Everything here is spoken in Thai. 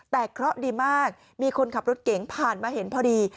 แต่เคราะห์ดีมากมีคนขับรถเก๋งผ่านมาเห็นพอดี